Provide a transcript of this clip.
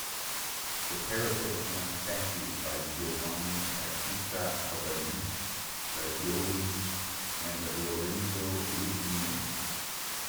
The parapet has statues by Giovanni Battista Albanese, Grazioli and Lorenzo Rubini.